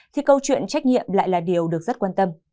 thì câu chuyện trách nhiệm lại là điều được rất quan tâm